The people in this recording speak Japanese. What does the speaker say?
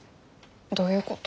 どういうこと？